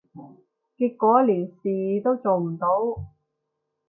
結果連事都做唔到